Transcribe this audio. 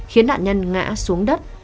khiến nạn nhân ngã xuống đất